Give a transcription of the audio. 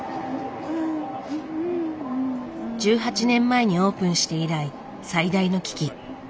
１８年前にオープンして以来最大の危機。